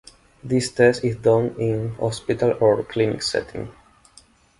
This test is done in hospital or clinic setting.